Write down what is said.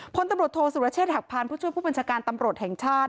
พลตำรวจโทษสุรเชษฐหักพานผู้ช่วยผู้บัญชาการตำรวจแห่งชาติ